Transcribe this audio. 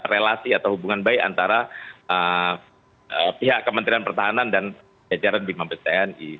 relasi atau hubungan baik antara pihak kementerian pertahanan dan kesejahteraan bimang pstni